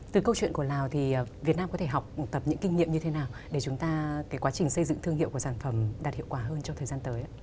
từ câu chuyện của lào thì việt nam có thể học tập những kinh nghiệm như thế nào để chúng ta quá trình xây dựng thương hiệu của sản phẩm đạt hiệu quả hơn trong thời gian tới ạ